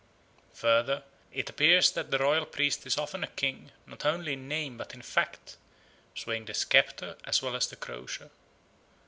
Further, it appears that the royal priest is often a king, not only in name but in fact, swaying the sceptre as well as the crosier.